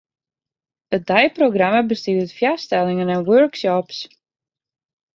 It deiprogramma bestie út foarstellingen en workshops.